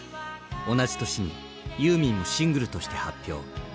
同じ年にユーミンもシングルとして発表。